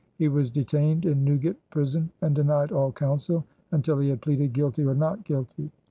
He was detained in Newgate Prison and denied all counsel until he had pleaded "guilty" or "not guilty."